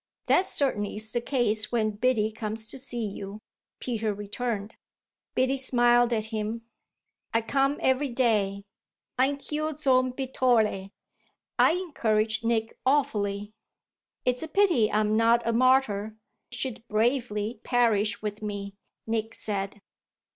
"That certainty's the case when Biddy comes to see you," Peter returned. Biddy smiled at him. "I come every day. Anch'io son pittore! I encourage Nick awfully." "It's a pity I'm not a martyr she'd bravely perish with me," Nick said.